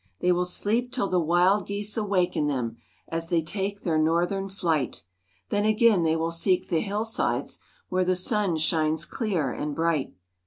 They will sleep till the wild geese awaken them, As they take their Northern flight, Then again they will seek the hill sides Where the sun shines clear and bright.